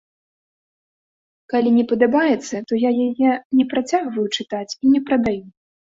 Калі не падабаецца, то я яе не працягваю чытаць і не прадаю.